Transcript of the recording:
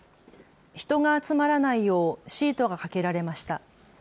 人が集まらないようシートがかけられました。